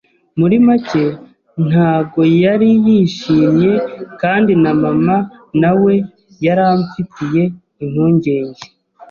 muri make ntago yari yishimye kandi na mama na we yari amfitiye impungenge